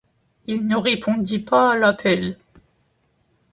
Il ne répondit pas à l'appel.